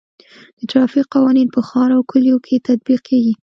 د ټرافیک قوانین په ښار او کلیو کې تطبیق کیږي.